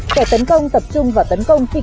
kẻ tấn công tập trung vào tấn công khí lực